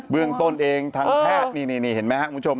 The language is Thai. เบื้องต้นเองทางแพทย์